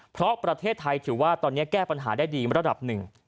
เพราะประเทศไทยถือว่าตอนนี้แก้ปัญหาได้ดีระดับหนึ่ง